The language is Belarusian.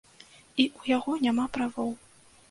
І ў яго няма правоў.